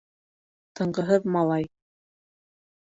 ТЫНҒЫҺЫҘ МАЛАЙ